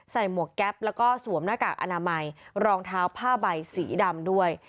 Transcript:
หมวกแก๊ปแล้วก็สวมหน้ากากอนามัยรองเท้าผ้าใบสีดำด้วย